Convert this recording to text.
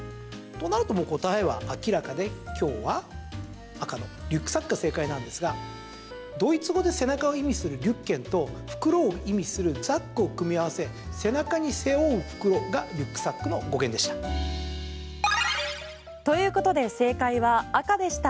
となると、もう答えは明らかで今日は赤のリュックサックが正解なんですがドイツ語で背中を意味するリュッケンと袋を意味するザックを組み合わせ背中に背負う袋がリュックサックの語源でした。ということで正解は、赤でした。